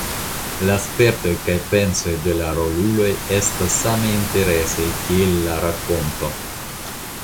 La spertoj kaj pensoj de la roluloj estas same interesaj kiel la rakonto.